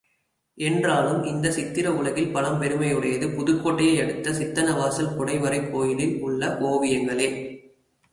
என்றாலும் இந்தச் சித்திர உலகில் பழம் பெருமையுடையது புதுக்கோட்டையை அடுத்த சித்தன்னவாசல் குடைவரைக் கோயிலில் உள்ள ஓவியங்களே.